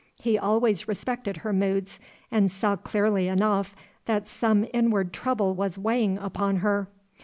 He always respected her moods, and saw clearly enough that some inward trouble was weighing upon her.